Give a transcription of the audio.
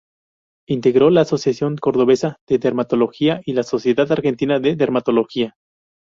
Integró la Asociación Cordobesa de Dermatología y la Sociedad Argentina de Dermatología.